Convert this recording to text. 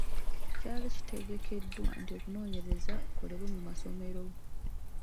Kyali kitegekeddwa nti okunoonyereza kukolebwe mu masomero.